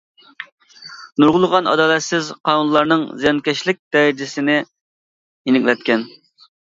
نۇرغۇنلىغان ئادالەتسىز قانۇنلارنىڭ زىيانكەشلىك دەرىجىسىنى يېنىكلەتكەن.